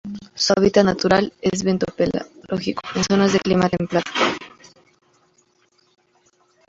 Su hábitat natural es bentopelágico, en zonas de clima templado.